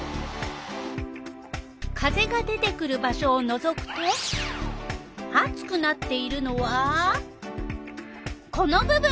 風が出てくる場所をのぞくとあつくなっているのはこの部分。